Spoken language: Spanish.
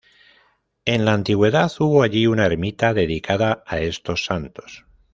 En la antigüedad hubo allí una ermita dedicada a estos santos.